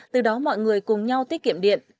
từ đó mọi người cùng nhau tiết kiệm điện